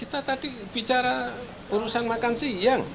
kita tadi bicara urusan makan siang